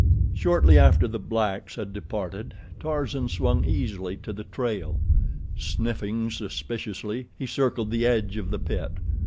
Shortly after the blacks had departed, Tarzan swung easily to the trail. Sniffing suspiciously, he circled the edge of the pit.